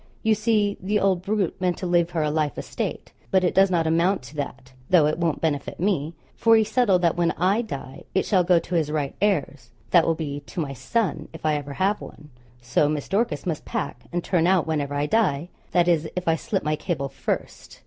You see, the old brute meant to leave her a life estate; but it does not amount to that, though it won't benefit me, for he settled that when I die it shall go to his right heirs that will be to my son, if I ever have one. So Miss Dorcas must pack, and turn out whenever I die, that is, if I slip my cable first.